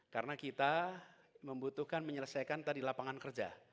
karena kita membutuhkan menyelesaikan tadi lapangan kerja